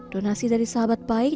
donasi dari sahabat baik